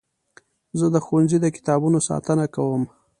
زه د ښوونځي د کتابونو ساتنه کوم.